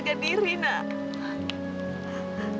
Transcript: ibu masih punya hati